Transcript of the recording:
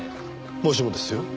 もしもですよ